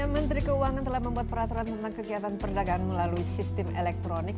menteri keuangan telah membuat peraturan tentang kegiatan perdagangan melalui sistem elektronik